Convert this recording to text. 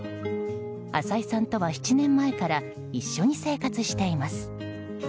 浅井さんとは７年前から一緒に生活しています。